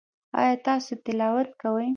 ایا تاسو تلاوت کوئ؟